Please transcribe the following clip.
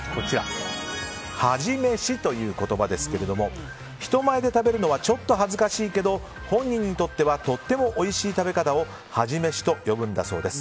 恥飯という言葉ですけども人前で食べるのはちょっと恥ずかしいけど本人にとってはとってもおいしい食べ方を恥飯と呼ぶんだそうです。